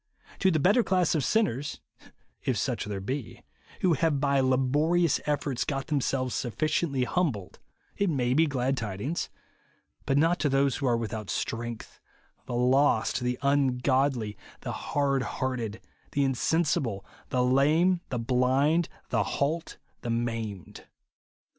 To the better class of sinners (if such there be), who have l)y laborious efforts got themselves sufficiently humbled, it may be glad tidings ; but not to those who are " without strength," the lost, the ungodly, the hard hearted, the in sensible, the lame, the blind, the halt, the maimed.